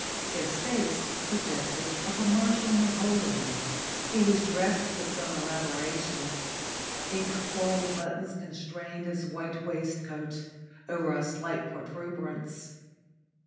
His face suggested a commercial Napoleon. He was dressed with some elaboration; pink coral buttons constrained his white waistcoat over a slight protuberance.